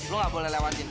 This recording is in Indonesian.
lo gak boleh lewatin